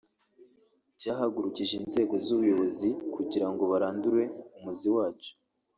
cyahagurukije inzego z’ubuyobozi kugira ngo barandure umuzi wacyo